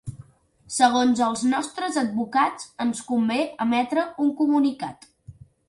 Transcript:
Segons els nostres advocats, ens convé emetre un comunicat.